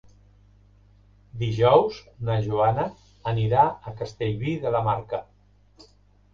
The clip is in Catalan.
Dijous na Joana anirà a Castellví de la Marca.